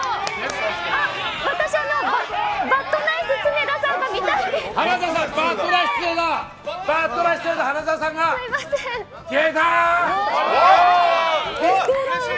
私、バッドナイス常田さんが見たい。